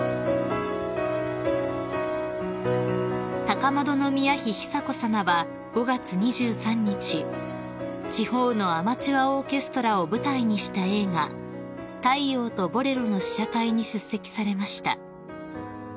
［高円宮妃久子さまは５月２３日地方のアマチュアオーケストラを舞台にした映画『太陽とボレロ』の試写会に出席されました］